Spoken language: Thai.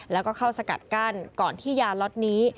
แล้วก็เข้าสกัดกั้นก่อนที่ยาล็อตนี้